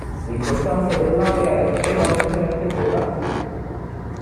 L'importanza dell'area è prevalentemente botanica.